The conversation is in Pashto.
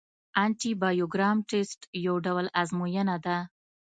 انټي بایوګرام ټسټ یو ډول ازموینه ده.